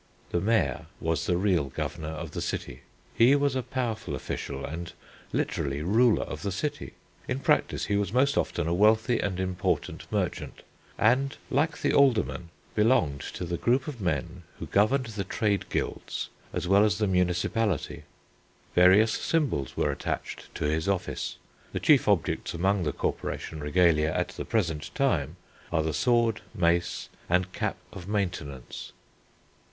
The Mayor was the real governor of the city. He was a powerful official and literally ruler of the city. In practice he was most often a wealthy and important merchant; and, like the Aldermen, belonged to the group of men who governed the trade guilds as well as the municipality. Various symbols were attached to his office. The chief objects among the corporation regalia at the present time are the sword, mace, and cap of maintenance.